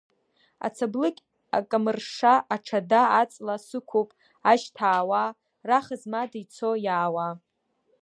Ацаблыкь акамыршша аҽада аҵла сықәуп, ажь ҭаауа, раха змада ицо, иаауа.